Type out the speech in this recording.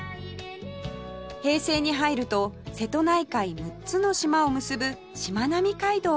平成に入ると瀬戸内海６つの島を結ぶしまなみ海道が完成